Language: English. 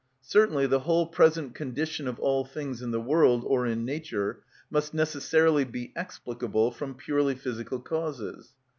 Certainly the whole present condition of all things in the world, or in nature, must necessarily be explicable from purely physical causes.